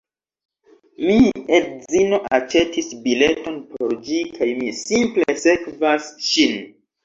Mi edzino aĉetis bileton por ĝi kaj mi simple sekvas ŝin